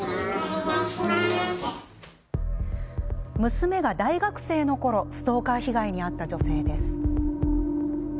娘が大学生のころストーカー被害に遭った女性です。